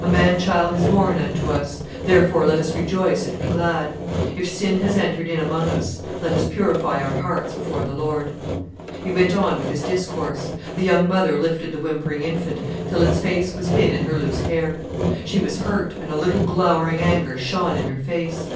A man child is born unto us, therefore let us rejoice and be glad. If sin has entered in among us, let us purify out hearts before the Lord...." He went on with his discourse. The young mother lifted the whimpering infant, till its face was hid in her loose hair. She was hurt, and a little glowering anger shone in her face.